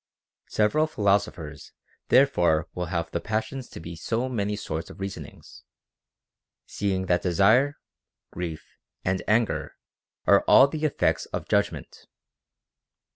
Several philosophers therefore will have the passions to be so many sorts of reasonings, seeing that desire, grief, and anger are all the effects of judgment.